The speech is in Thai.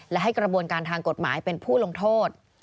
และให้กระบวนการทางกฎหมายเป็นผู้ลงโทษ